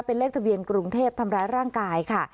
เป็นเลขทะเบียนกรุงเทพทำร้ายร่างกายค่ะ